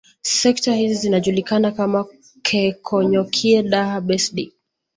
Sekta hizi zinajulikana kama Keekonyokie Daha Besdi